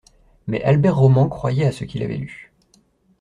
Mais Albert Roman croyait à ce qu’il avait lu